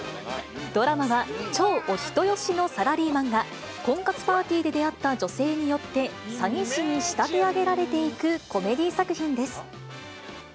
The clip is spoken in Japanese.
ドラマは超お人よしのサラリーマンが婚活パーティーで出会った女性によって、詐欺師に仕立て上げられていくコメディー作品です。